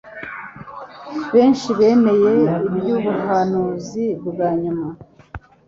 benshi bemeye iby’ubuhanuzi bwa nyuma